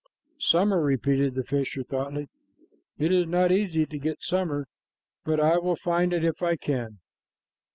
"Summer," repeated the fisher thoughtfully. "It is not easy to get summer, but I will find it if I can."